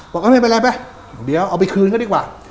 ไม่เป็นไรไปเดี๋ยวเอาไปคืนเขาดีกว่า